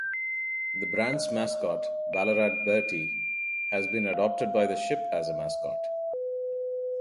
The brand's mascot, Ballarat Bertie, has been adopted by the ship as a mascot.